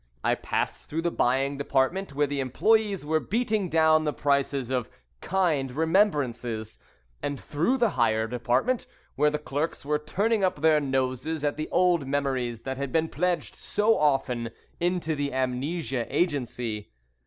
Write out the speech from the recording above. I passed through the Buying Department, where the employees were beating down the prices of "kind remembrances," and through the Hire Department, where the clerks were turning up their noses at the old memories that had been pledged so often, into the Amnesia Agency.